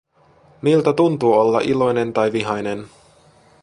Miltä tuntuu olla iloinen tai vihainen?